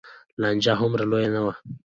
لانجه هومره لویه نه وه.